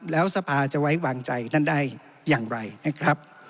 แล้วสภาจะไว้วางใจนั่นได้อย่างไรนะครับ